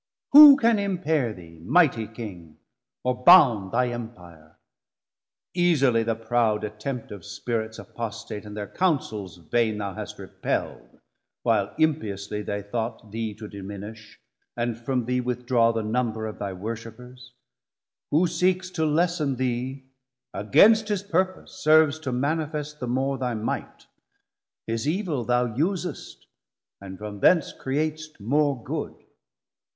Who can impair thee, mighty King, or bound Thy Empire? easily the proud attempt Of Spirits apostat and thir Counsels vaine 610 Thou hast repeld, while impiously they thought Thee to diminish, and from thee withdraw The number of thy worshippers. Who seekes To lessen thee, against his purpose serves To manifest the more thy might: his evil Thou usest, and from thence creat'st more good.